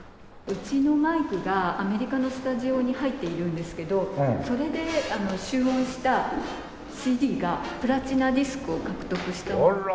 うちのマイクがアメリカのスタジオに入っているんですけどそれで集音したＣＤがプラチナディスクを獲得したもので。